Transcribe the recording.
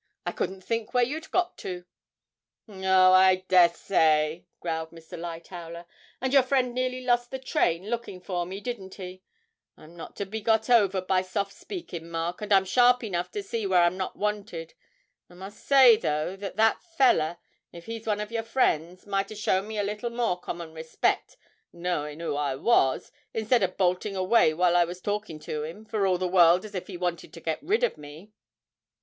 'I couldn't think where you'd got to.' 'Oh, I dessay,' growled Mr. Lightowler, 'and your friend nearly lost the train lookin' for me, didn't he? I'm not to be got over by soft speakin', Mark, and I'm sharp enough to see where I'm not wanted. I must say, though, that that feller, if he's one of your friends, might a' shown me a little more common respect, knowing 'oo I was, instead o' bolting away while I was talkin' to him, for all the world as if he wanted to get rid of me.'